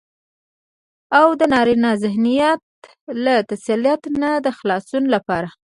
او دنارينه ذهنيت له تسلط نه يې د خلاصون لپاره